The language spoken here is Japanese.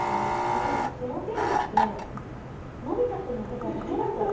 私、０点ってのび太君の世界だけだと。